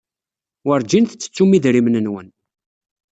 Werjin tettettum idrimen-nwen.